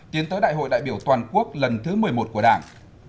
tiến tới đại hội đại biểu toàn quốc lần thứ một mươi một của đảng